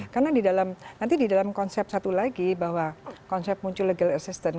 karena di dalam nanti di dalam konsep satu lagi bahwa konsep muncul legal assistance